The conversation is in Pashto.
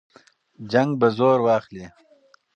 جنګ به زور واخلي.